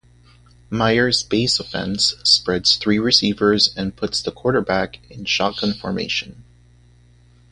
Meyer's base offense spreads three receivers and puts the quarterback in shotgun formation.